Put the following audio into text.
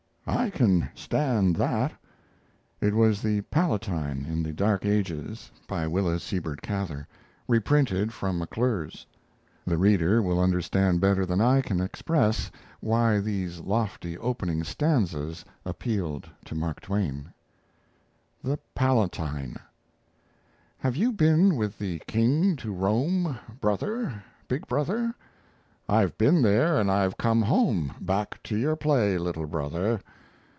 I can stand that." It was "The Palatine (in the 'Dark Ages')," by Willa Sibert Cather, reprinted from McClure's. The reader will understand better than I can express why these lofty opening stanzas appealed to Mark Twain: THE PALATINE "Have you been with the King to Rome, Brother, big brother?" "I've been there and I've come home, Back to your play, little brother."